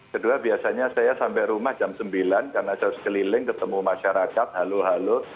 kedua biasanya saya sampai rumah jam sembilan karena saya harus keliling ketemu masyarakat halo halo